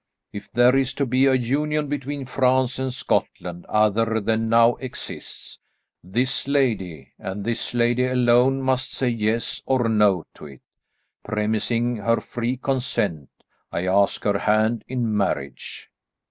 If there is to be a union between France and Scotland other than now exists, this lady, and this lady alone, must say yes or no to it. Premising her free consent, I ask her hand in marriage."